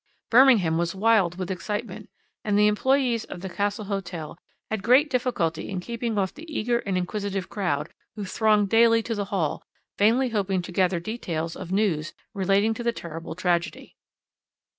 Birmingham was wild with excitement, and the employés of the Castle Hotel had real difficulty in keeping off the eager and inquisitive crowd who thronged daily to the hall, vainly hoping to gather details of news relating to the terrible tragedy.